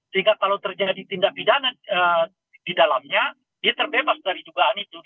sehingga kalau terjadi tindak pidana di dalamnya dia terbebas dari dugaan itu